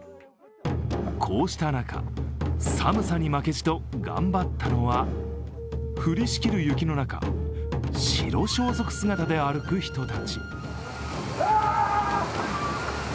こうした中、寒さに負けじと頑張ったのは降りしきる雪の中白装束姿で歩く人たち。